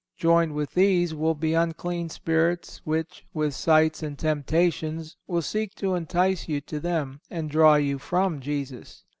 Joined with these will be unclean spirits, which, with sights and temptations, will seek to entice you to them, and draw you from Jesus.